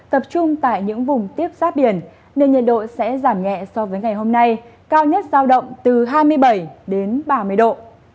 tập trung tại những vùng tiếp giáp biển nên nhiệt độ sẽ giảm nhẹ so với ngày hôm nay cao nhất giao động từ hai mươi bảy đến ba mươi độ